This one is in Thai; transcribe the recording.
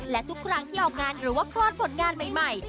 และทุกครั้งที่ออกงานหรือว่าคลอดผลงานใหม่